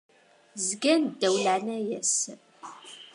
Zgan ddaw leɛnaya-s.